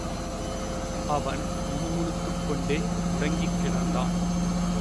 அவன் முணுமுணுத்துக்கொண்டே முடங்கிக் கிடந்தான்.